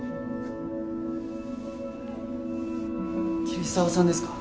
桐沢さんですか？